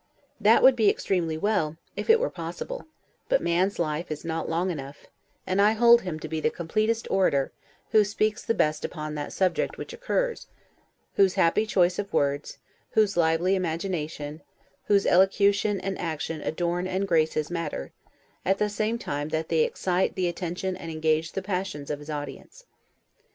That would be extremely well, if it were possible: but man's life is not long enough; and I hold him to be the completest orator, who speaks the best upon that subject which occurs; whose happy choice of words, whose lively imagination, whose elocution and action adorn and grace his matter, at the same time that they excite the attention and engage the passions of his audience.